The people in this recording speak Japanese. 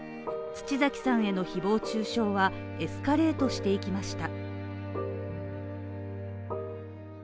土崎さんへの誹謗中傷はエスカレートしていきました。